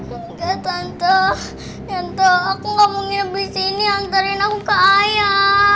enggak tante tante aku gak mau nginep disini antarin aku ke ayam